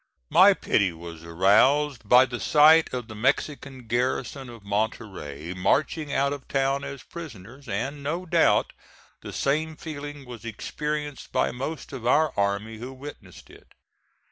My pity was aroused by the sight of the Mexican garrison of Monterey marching out of town as prisoners, and no doubt the same feeling was experienced by most of our army who witnessed it.